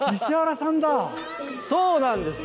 そうなんです。